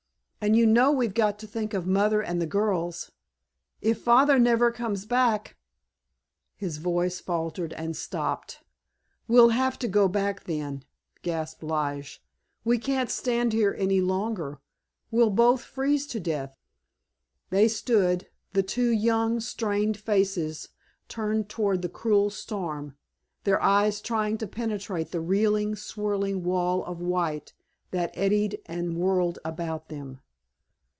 "And you know we've got to think of Mother and the girls. If Father never comes back——" His voice faltered and stopped. "We'll have to go back then," gasped Lige; "we can't stand here any longer. We'll both freeze to death." They stood, the two young, strained faces turned toward the cruel storm, their eyes trying to penetrate the reeling, swirling wall of white that eddied and whirled about them.